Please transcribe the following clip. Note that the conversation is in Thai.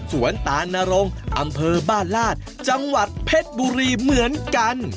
สวนตานรงอำเภอบ้านลาดจังหวัดเพชรบุรีเหมือนกัน